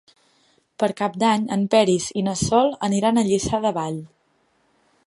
Per Cap d'Any en Peris i na Sol aniran a Lliçà de Vall.